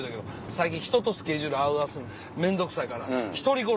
最近人とスケジュール合わすの面倒くさいから。